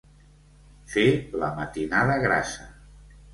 Fer la matinada grassa.